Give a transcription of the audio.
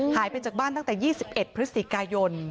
หายไปจากบ้านตั้งแต่๒๑พฤศจิกายน